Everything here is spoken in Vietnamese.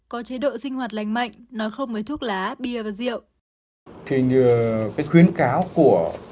có chế độ sinh hoạt lành mạnh nói không với thuốc lá bia và rượu